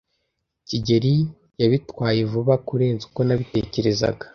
kigeli yabitwaye vuba kurenza uko nabitekerezaga.